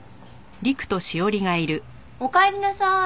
おかえりなさい。